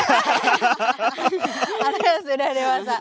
anak yang sudah dewasa